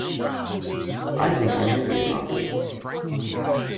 I think I might be adopted.